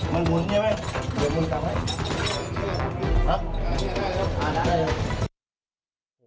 มันหมุนใช่ไหม